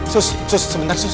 murti pergi kemana sih